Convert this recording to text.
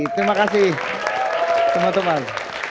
terima kasih teman teman